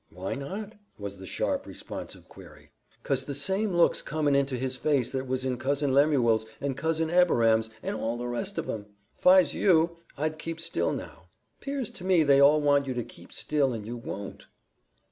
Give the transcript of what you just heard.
"Why not?" was the sharp, responsive query. "'Cause the same look's comin' into his face that was in Cousin Lemuel's and Cousin Abiram's and all the rest of 'em. 'Fi's you I'd keep still now. 'Pears to me they all want you to keep still and you won't."